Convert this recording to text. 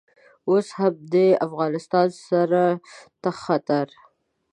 اوس هم د افغانستان سر ته خطر.